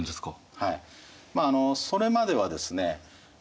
まあそれまではですね